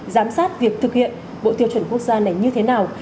giám sát việc thực hiện bộ tiêu chuẩn quốc gia này như thế nào